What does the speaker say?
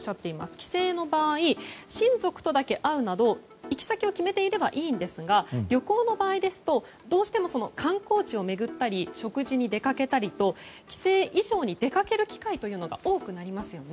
帰省の場合親族とだけ会うなど行き先を決めていればいいんですが旅行の場合どうしても観光地を巡ったり食事に出かけたりと帰省以上に出かける機会が多くなりますよね。